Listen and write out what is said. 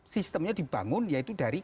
sistemnya dibangun yaitu dari